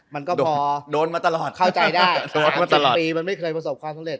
มันก็พอเข้าใจได้๓๔ปีมันไม่เคยประสบความสำเร็จ